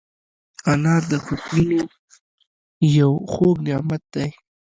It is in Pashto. انار د فصلونو یو خوږ نعمت دی.